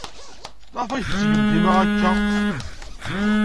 Maɣef ay tettgem dima aya akka?